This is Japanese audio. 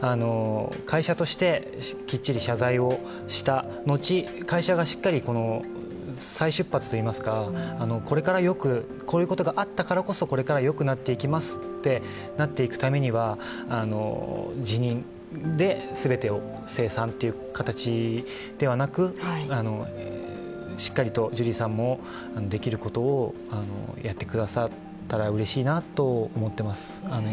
会社としてきっちり謝罪をしたのち会社がしっかり再出発といいますか、こういうことがあったからこそ、これからよくなっていきますとなっていくためには、辞任で全てを清算という形ではなくしっかりとジュリーさんもできることをやってくださったらうれしいなと思っています。